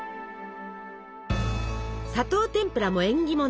砂糖てんぷらも縁起物。